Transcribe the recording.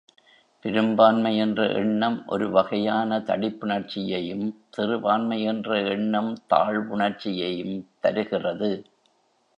பெரும்பான்மை என்ற எண்ணம் ஒரு வகையான தடிப்புணர்ச்சியையும் சிறுபான்மை என்ற எண்ணம் தாழ்வுணர்ச்சியையும் தருகிறது.